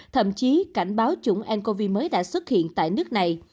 thậm chí cảnh báo chủng ncov mới đã xuất hiện tại nước này